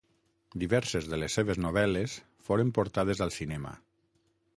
Diverses de les seves novel·les foren portades al cinema.